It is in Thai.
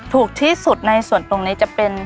ถูกที่สุดในส่วนตรงนี้จะเป็น